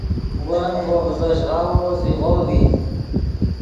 ون وو ڤزوش غاوو زیغو ڤی